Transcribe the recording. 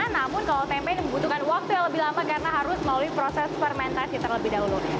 namun kalau tempe ini membutuhkan waktu yang lebih lama karena harus melalui proses fermentasi terlebih dahulu